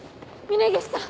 峰岸さん。